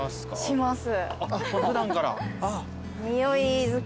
します。